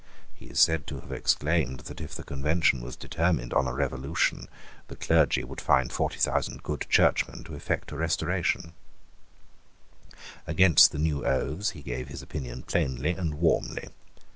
He is said to have exclaimed that if the Convention was determined on a revolution, the clergy would find forty thousand good Churchmen to effect a restoration, Against the new oaths he gave his opinion plainly and warmly.